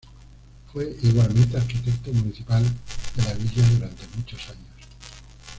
Fue igualmente arquitecto municipal de la villa durante muchos años.